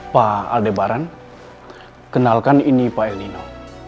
pak aldebaran kenalkan ini pak el nino